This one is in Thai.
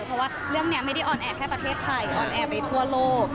เพราะว่าเรื่องนี้ไม่ได้ออนแอร์แค่ประเทศไทยออนแอร์ไปทั่วโลก